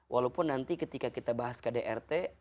walaupun nanti ketika kita bahas kdrt